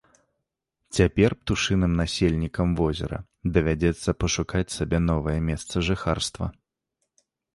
Цяпер птушыным насельнікам возера давядзецца пашукаць сабе новае месца жыхарства.